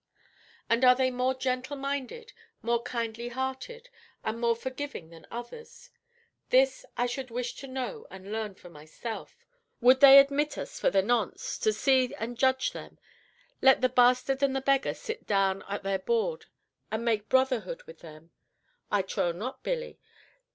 and are they more gentle minded, more kindly hearted, and more forgiving than others? This I should wish to know and learn for myself. Would they admit us, for the nonce, to see and judge them? let the Bastard and the Beggar sit down at their board, and make brotherhood with them? I trow not, Billy.